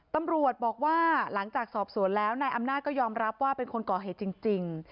ตำรวจบอกว่าหลังจากสอบสวนแล้วนายอำนาจก็ยอมรับว่าเป็นคนก่อเหตุจริง